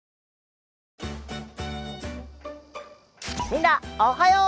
みんなおはよう！